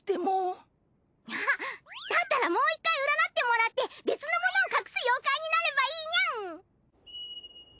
だったらもう一回占ってもらって別のものを隠す妖怪になればいいニャン。